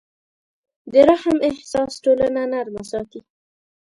د رحم احساس ټولنه نرمه ساتي.